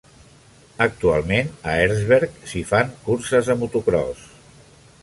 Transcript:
Actualment, a Erzberg s'hi fan curses de motocròs.